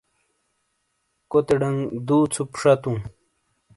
کوتے ڈنگ دُو ژُپ شاتُوں۔